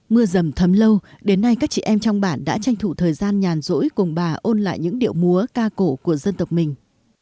mưa dầm thấm lâu đến nay các chị em trong bản đã tranh thủ thời gian nhàn rỗi cùng bà ôn lại những điệu múa ca cổ của dân tộc mình